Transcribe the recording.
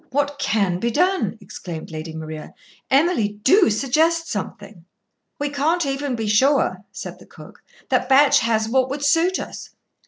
"What can be done?" exclaimed Lady Maria. "Emily, do suggest something." "We can't even be sure," said the cook, "that Batch has what would suit us.